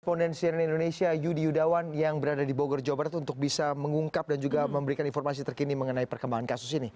korespondensian indonesia yudi yudawan yang berada di bogor jawa barat untuk bisa mengungkap dan juga memberikan informasi terkini mengenai perkembangan kasus ini